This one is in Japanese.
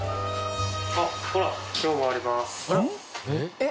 えっ？